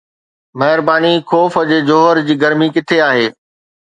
مهرباني، خوف جي جوهر جي گرمي ڪٿي آهي؟